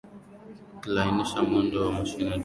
kulainisha mwendo wa mashine Delta ya mto Niger ilikuwa